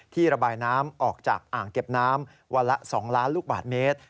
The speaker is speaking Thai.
ระบายน้ำออกจากอ่างเก็บน้ำวันละ๒ล้านลูกบาทเมตร